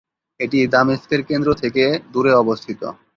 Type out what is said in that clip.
এটি দামেস্কের কেন্দ্র থেকে দূরে অবস্থিত।